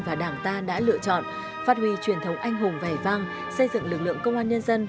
và đảng ta đã lựa chọn phát huy truyền thống anh hùng vẻ vang xây dựng lực lượng công an nhân dân